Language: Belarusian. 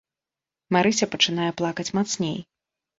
Марыся пачынае плакаць мацней.